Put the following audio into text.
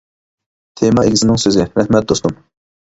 تېما ئىگىسىنىڭ سۆزى : رەھمەت دوستۇم!